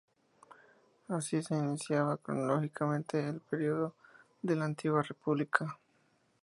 Así se iniciaba cronológicamente el Periodo de la Antigua República.